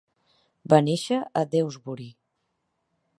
Va néixer a Dewsbury.